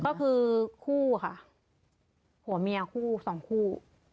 แก้คือคู่ค่ะผัวมียคู่๒คู่